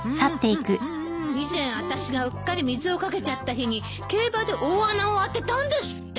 以前あたしがうっかり水を掛けちゃった日に競馬で大穴を当てたんですって。